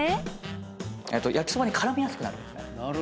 焼きそばに絡みやすくなるんですね。